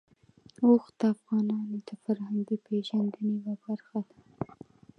اوښ د افغانانو د فرهنګي پیژندنې یوه برخه ده.